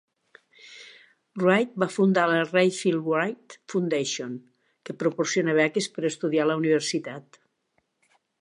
Wright va fundar la Rayfield Wright Foundation, que proporciona beques per estudiar a la universitat.